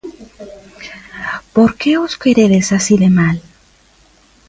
Por que os queredes así de mal?